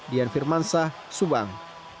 dian firmansah subang